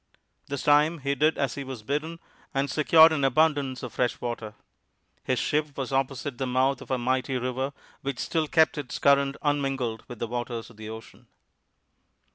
This time he did as he was bidden and secured an abundance of fresh water. His ship was opposite the mouth of a mighty river which still kept its current unmingled with the waters of the ocean.